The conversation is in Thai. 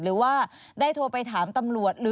หรือว่าได้โทรไปถามตำรวจ